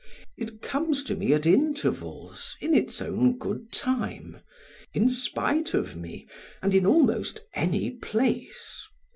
It comes to me at intervals in its own good time, in spite of me and in almost any place.